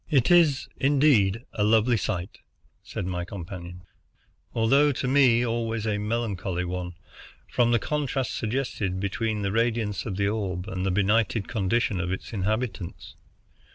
"It is, indeed, a lovely sight," said my companion, "although to me always a melancholy one, from the contrast suggested between the radiance of the orb and the benighted condition of its inhabitants.